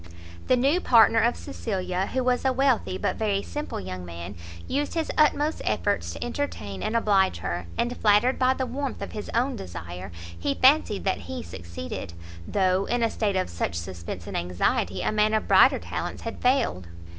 The new partner of Cecilia, who was a wealthy, but very simple young man, used his utmost efforts to entertain and oblige her, and, flattered by the warmth of his own desire, he fancied that he succeeded; though, in a state of such suspence and anxiety, a man of brighter talents had failed.